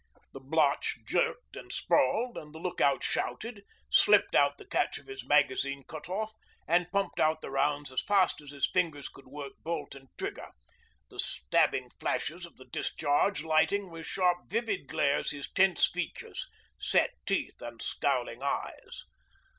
The blotch jerked and sprawled, and the look out shouted, slipped out the catch of his magazine cut off, and pumped out the rounds as fast as fingers could work bolt and trigger, the stabbing flashes of the discharge lighting with sharp vivid glares his tense features, set teeth, and scowling eyes.